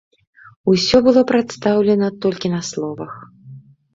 Усё было прадастаўлена толькі на словах.